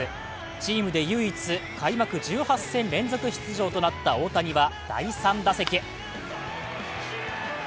チームで唯一、開幕１８戦連続出場となった大谷は第３打席。